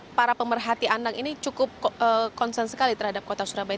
karena para pemerhati anak ini cukup konsen sekali terhadap kota surabaya